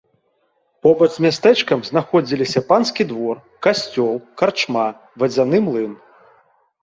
Побач з мястэчкам знаходзіліся панскі двор, касцёл, карчма, вадзяны млын.